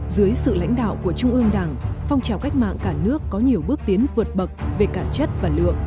dưới sự lãnh đạo của trung ương đảng phong trào cách mạng cả nước có nhiều bước tiến vượt bậc về cả chất và lượng